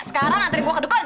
sekarang anterin gue ke dukun